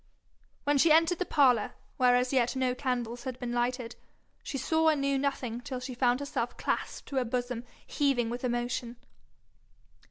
When she entered the parlour, where as yet no candles had been lighted, she saw and knew nothing till she found herself clasped to a bosom heaving with emotion.